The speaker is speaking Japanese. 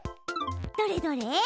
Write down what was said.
どれどれ？